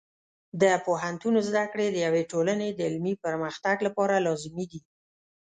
د پوهنتون زده کړې د یوې ټولنې د علمي پرمختګ لپاره لازمي دي.